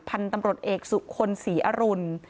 พันธุ์ตำรวจเอกสุคลศรีอรุณ